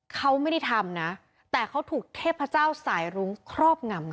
เขาไม่ได้ทำนะแต่เขาถูกเทพเจ้าสายรุ้งครอบงำ